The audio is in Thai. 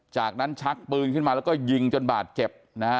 จากนั้นชักปืนขึ้นมาแล้วก็ยิงจนบาดเจ็บนะฮะ